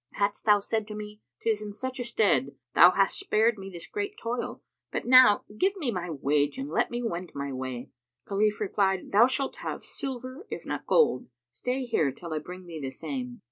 Hadst thou said to me, 'Tis in such a stead, thou hadst spared me this great toil; but now give me my wage and let me wend my way." Khalif replied "Thou shalt have silver, if not gold. Stay here, till I bring thee the same."